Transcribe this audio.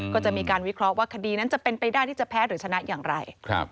ก็จะมีการวิเคราะห์ว่าคดีนั้นจะเป็นไปได้ที่จะแพ้หรือชนะอย่างไร